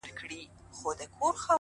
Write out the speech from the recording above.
نوك د زنده گۍ مو لكه ستوري چي سركښه سي؛